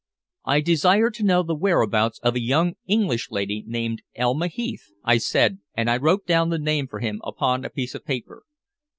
"I desire to know the whereabouts of a young English lady named Elma Heath," I said, and I wrote down the name for him upon a piece of paper.